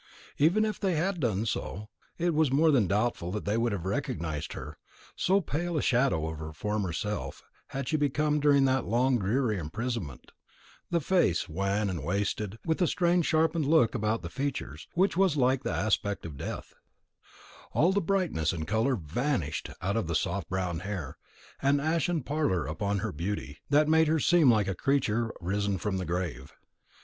Even if they had done so, it is more than doubtful that they would have recognised her, so pale a shadow of her former self had she become during that long dreary imprisonment; the face wan and wasted, with a strange sharpened look about the features which was like the aspect of death; all the brightness and colour vanished out of the soft brown hair; an ashen pallor upon her beauty, that made her seem like a creature risen from the grave.